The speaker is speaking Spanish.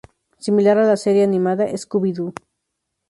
Similar a la serie animada "Scooby-Doo!